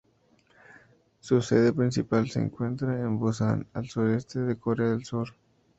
Su sede principal se encuentra en Busan al sur este de Corea del Sur.